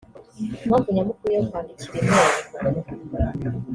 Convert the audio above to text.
Impamvu nyamukuru yo kwandikira inteko